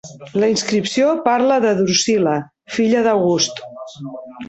La inscripció parla de Drussila, filla d'August.